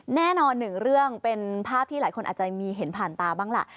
แน่นอนหนึ่งเรื่องเป็นภาพที่หลายคนอาจจะมีเห็นผ่านตาบ้างล่ะ